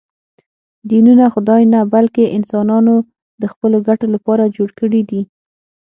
دینونه خدای نه، بلکې انسانانو د خپلو ګټو لپاره جوړ کړي دي